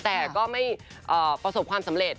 แต่ก็ไม่ประสบความสำเร็จ